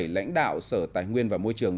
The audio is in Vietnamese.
lãnh đạo sở tài nguyên và môi trường